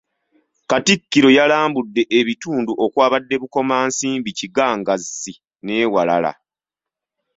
Katikkiro yalambudde ebitundu okwabadde Bukomansimbi, Kigangazzi n’ewalala.